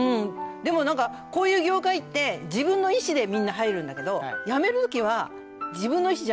でもなんかこういう業界って自分の意思でみんな入るんだけど。